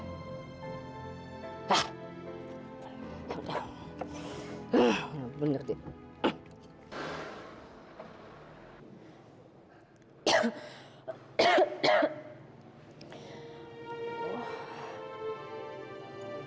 ya udah bener deh